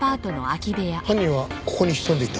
犯人はここに潜んでいた？